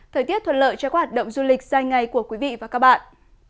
thời tiết thuận lợi cho các hoạt động du lịch dài ngày của quý vị và các bạn